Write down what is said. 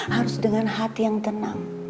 harus dengan hati yang tenang